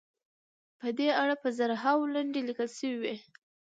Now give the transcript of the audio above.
په دې اړه به زرهاوو لنډۍ لیکل شوې وي.